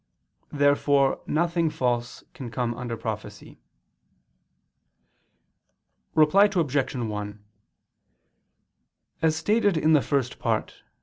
Therefore nothing false can come under prophecy. Reply Obj. 1: As stated in the First Part (Q.